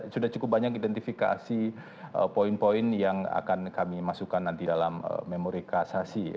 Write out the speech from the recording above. sudah cukup banyak identifikasi poin poin yang akan kami masukkan nanti dalam memori kasasi